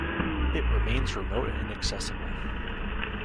It remains remote and inaccessible.